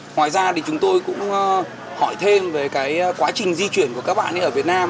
ngoài ra thì chúng tôi cũng hỏi thêm về quá trình di chuyển của các bạn ở việt nam